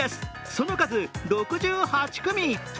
その数、６８組。